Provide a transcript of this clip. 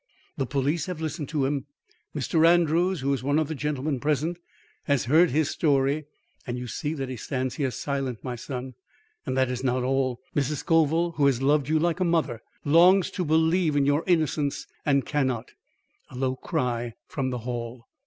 "The police have listened to him. Mr. Andrews, who is one of the gentlemen present, has heard his story and you see that he stands here silent, my son. And that is not all. Mrs. Scoville, who has loved you like a mother, longs to believe in your innocence, and cannot." A low cry from the hall.